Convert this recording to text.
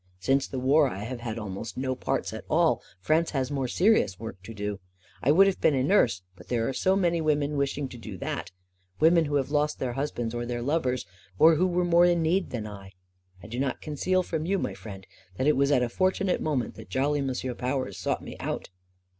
Since the war I have had almost no parts at all — France has more serious work to do I I would have been a nurse — but there are so many women wish ing to do that; women who have lost their husbands or their lovers, and who were more in need than I. I do not conceal from you, my friend, that it was at a fortunate moment that jolly M'sieu Powers sought me out."